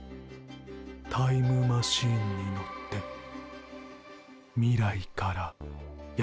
タイムマシンに乗って未来からやって来た。